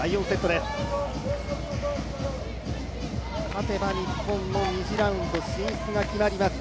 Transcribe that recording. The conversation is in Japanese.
勝てば日本の２次ラウンド進出が決まります。